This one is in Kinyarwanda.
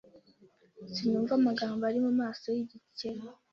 Sinumva amagambo ari mumaso yigiceri.